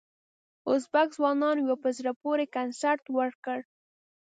ازبک ځوانانو یو په زړه پورې کنسرت ورکړ.